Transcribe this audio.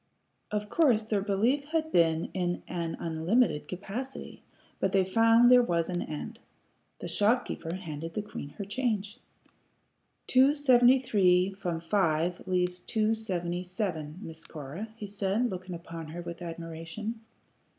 Of course their belief had been in an unlimited capacity, but they found there was an end. The shopkeeper handed the queen her change. "Two seventy three from five leaves two twenty seven, Miss Cora," he said, looking upon her with admiration.